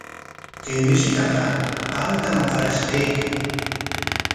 Kay mishitaqa qamtam qarashqayki.